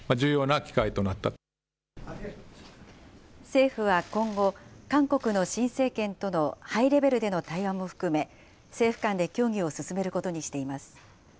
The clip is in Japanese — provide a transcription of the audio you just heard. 政府は今後、韓国の新政権とのハイレベルでの対話も含め、政府間で協議を進めることにしています。